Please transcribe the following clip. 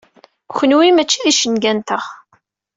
Kenwi mačči d icenga-nteɣ.